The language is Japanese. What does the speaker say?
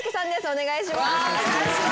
お願いします。